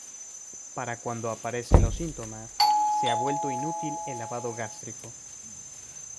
Para cuando aparecen los síntomas, se ha vuelto inútil el lavado gástrico.